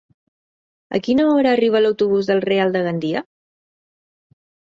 A quina hora arriba l'autobús del Real de Gandia?